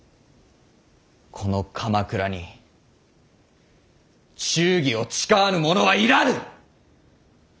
この鎌倉に忠義を誓わぬ者は要らぬ！